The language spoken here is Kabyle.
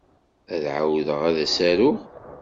Ad ɛawdeɣ ad as-aruɣ.